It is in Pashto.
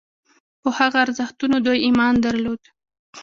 په هغه ارزښتونو دوی ایمان درلود.